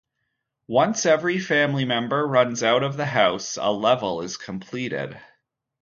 Once every family member runs out of the house, a level is completed.